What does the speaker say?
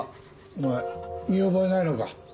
お前見覚えないのか？